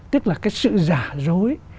tức là cái sự giả dối